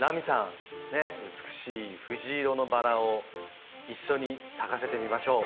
美しい藤色のバラを一緒に咲かせてみましょう。